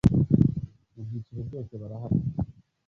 mu byiciro byose barahari